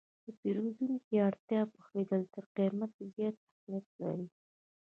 د پیرودونکي اړتیا پوهېدل تر قیمت زیات اهمیت لري.